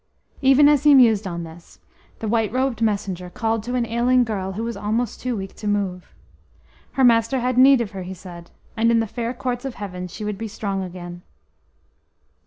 Even as he mused on this the white robed messenger called to an ailing girl who was almost too weak to move. Her Master had need of her, he said, and in the fair courts of Heaven she would be strong again.